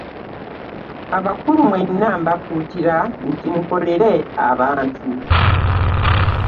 Abakulu mwenna mbakuutira nti mukolere abantu.